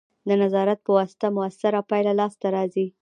د نظارت په واسطه مؤثره پایله لاسته راځي.